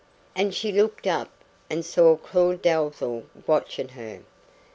And she looked up, and saw Claud Dalzell watching her.